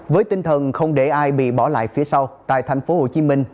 với tinh thần không để ai bị bỏ lại phía sau tại thành phố hồ chí minh